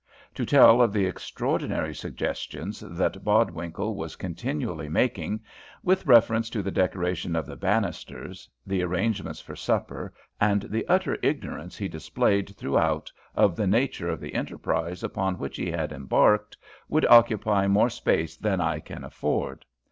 To tell of the extraordinary suggestions that Bodwinkle was continually making with reference to the decoration of the banisters, the arrangements for supper, and the utter ignorance he displayed throughout of the nature of the enterprise upon which he had embarked, would occupy more space than I can afford.